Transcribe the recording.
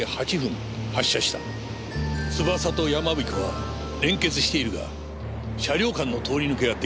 つばさとやまびこは連結しているが車両間の通り抜けはできない。